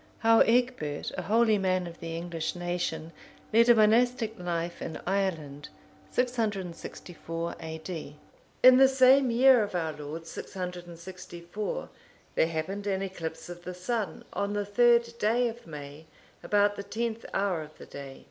How Egbert, a holy man of the English nation, led a monastic life in Ireland. [664 A.D.] In the same year of our Lord 664, there happened an eclipse of the sun, on the third day of May,(484) about the tenth hour of the day.